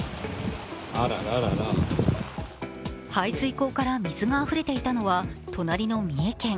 排水溝から水があふれていたのは隣の三重県。